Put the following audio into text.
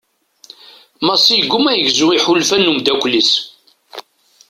Massi yegguma ad yegzu iḥulfan n umddakel-is.